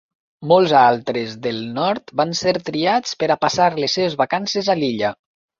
Molts altres del nord van ser triats per a passar les seves vacances a l'illa.